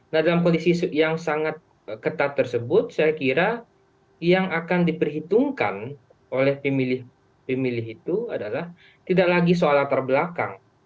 nah dalam kondisi yang sangat ketat tersebut saya kira yang akan diperhitungkan oleh pemilih itu adalah tidak lagi soal latar belakang